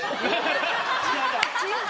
違う。